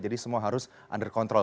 jadi semua harus under control